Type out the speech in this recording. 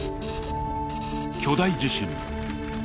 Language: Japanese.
巨大地震。